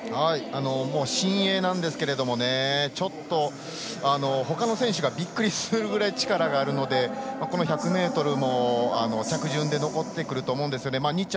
新鋭なんですけどもねほかの選手がびっくりするぐらい力あるのでこの１００ｍも着順で残ってくると思うんですね。